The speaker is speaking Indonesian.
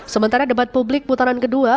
sementara debat publik putaran kedua